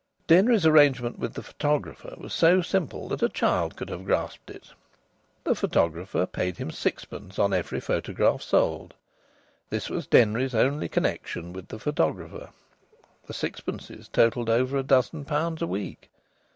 Denry's arrangement with the photographer was so simple that a child could have grasped it. The photographer paid him sixpence on every photograph sold. This was Denry's only connection with the photographer. The sixpences totalled over a dozen pounds a week.